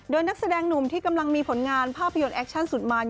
โดยนักแสดงหนุ่มที่กำลังมีผลงานภาพยนตร์แอคชั่นสุดมัน